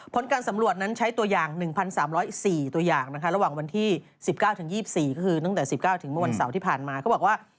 ผลการสำรวจนั้นใช้ตัวอย่าง๑๓๐๔ตัวอย่างวันที่๑๙๒๔ก็คือ๑๙หรือ๑๙สุดโมงเวลาเวลาขยกว่า